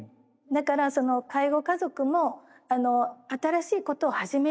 だから介護家族も新しいことを始められる。